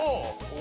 お。